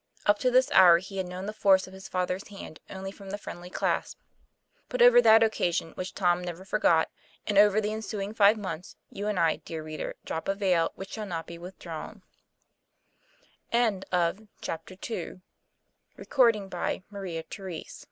Up to this hour he had known the force of his father's hand only from the friendly clasp. But over that occasion, which Tom never forgot, and ov.er the ensuing five months, you and I, dear reader, drop a veil which shall not be withdrawn.